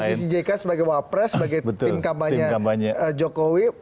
posisi jk sebagai wapres sebagai tim kampanye jokowi